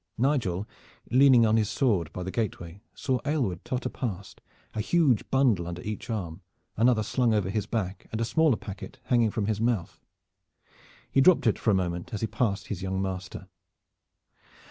Nigel, leaning on his sword by the gateway, saw Aylward totter past, a huge bundle under each arm, another slung over his back and a smaller packet hanging from his mouth. He dropped it for a moment as he passed his young master.